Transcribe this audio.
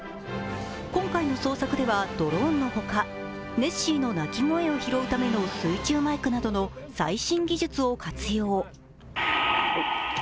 今回の捜索ではドローンの他、ネッシーの鳴き声を拾うための水中マイクなどの最新技術を活用。